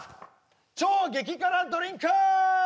超激辛ドリンク！